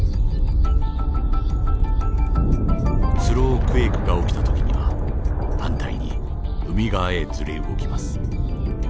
スロークエイクが起きた時には反対に海側へずれ動きます。